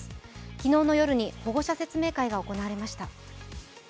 昨日の夜に保護者説明会が行われました。